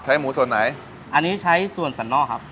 หมูส่วนไหนอันนี้ใช้ส่วนสันนอกครับ